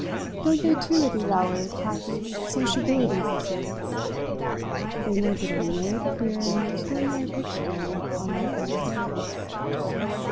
Don't they too, at these hours, practise sociabilities of sorts? They make, at any rate, here, an extraordinary picture on that great staircase."